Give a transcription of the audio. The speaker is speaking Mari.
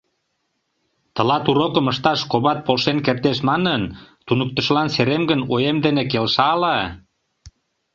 Тылат урокым ышташ коват полшен кертеш манын, туныктышылан серем гын, оем дене келша ала?